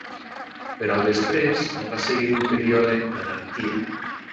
Però després va seguir un període d'anarquia.